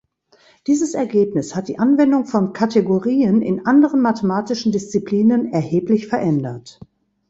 Dieses Ergebnis hat die Anwendung von Kategorien in anderen mathematischen Disziplinen erheblich verändert.